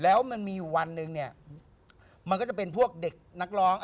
แล้วมันมีอยู่วันหนึ่งเนี่ยมันก็จะเป็นพวกเด็กนักร้อง